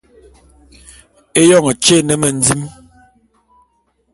Éyoñ tyé é ne mendim.